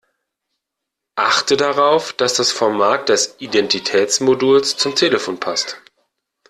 Achte darauf, dass das Format des Identitätsmoduls zum Telefon passt.